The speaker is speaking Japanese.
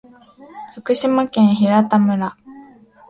福島県平田村